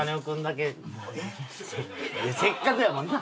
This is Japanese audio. せっかくやもんな？